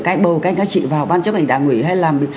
các anh bầu các anh các chị vào ban chấp hành đảng ủy hay làm gì